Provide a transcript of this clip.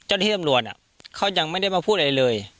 เจ้าหน้าที่ตำรวจเขายังไม่ได้มาพูดอะไรเลย